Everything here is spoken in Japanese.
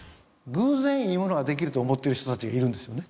偶然いいものができると思ってる人達がいるんですよね